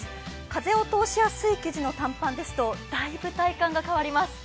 風を通しやすい生地の短パンですと、だいぶ体感が変わります。